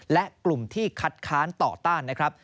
และกลุ่มที่คัดค้านต่อต้านนะครับ